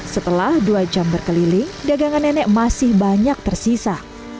setelah dua jam berkeliling dagangan nenek masih banyak tersisa